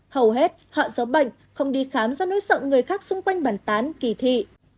hầu hết họ giấu bệnh không đi khám do nỗi sợ người khác xung quanh bàn tán kỳ thị